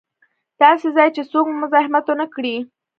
داسې ځای چې څوک مو مزاحمت و نه کړي.